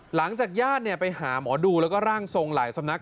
หลังจากญาติไปหาหมอดูแล้วก็ร่างทรงหลายสำนัก